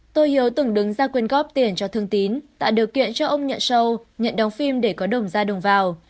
tô hiếu từng đứng ra quyền góp tiền cho thương tín tạo điều kiện cho ông nhận sâu nhận đóng phim để có đồng gia đồng vào